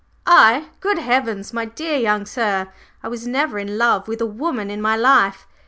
"I? Good heavens, my dear young sir, I was never in love with a woman in my life!